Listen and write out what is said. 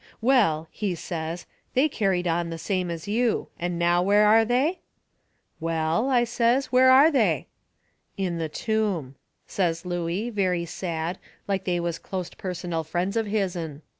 "Well," he says, "they carried on the same as you. And now where are they?" "Well," I says, "where are they?" "In the tomb," says Looey, very sad, like they was closte personal friends of his'n.